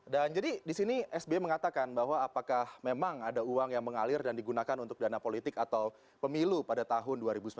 dan jadi di sini sbi mengatakan bahwa apakah memang ada uang yang mengalir dan digunakan untuk dana politik atau pemilu pada tahun dua ribu sembilan belas